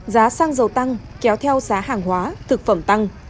giá xăng dầu tăng kéo theo giá hàng hóa thực phẩm tăng